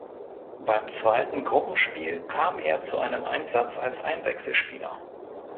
Beim zweiten Gruppenspiel kam er zu einem Einsatz als Einwechselspieler.